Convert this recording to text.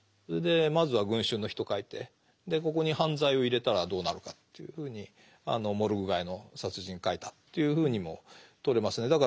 それでまずは「群衆の人」を書いてここに犯罪を入れたらどうなるかというふうに「モルグ街の殺人」を書いたというふうにもとれますね。